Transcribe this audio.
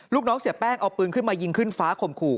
ลูกน้องเสียแป้งเอาปืนขึ้นมายิงขึ้นฟ้าข่มขู่